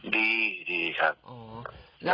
ดีครับ